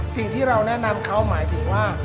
สิ่งที่เราแนะนำเขาหมายถึงว่า